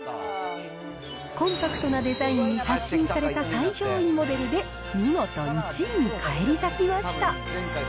コンパクトなデザインに刷新された最上位モデルで、見事１位に返り咲きました。